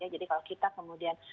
jadi kalau kita kemudian